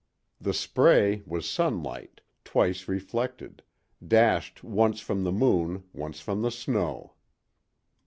The spray was sunlight, twice reflected: dashed once from the moon, once from the snow.